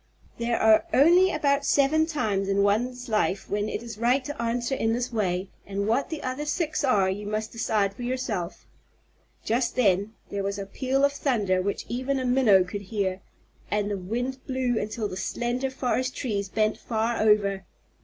There are only about seven times in one's life when it is right to answer in this way, and what the other six are you must decide for yourself. Just then there was a peal of thunder which even a Minnow could hear, and the wind blew until the slender forest trees bent far over.